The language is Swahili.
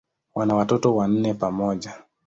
Wana watoto wanne pamoja.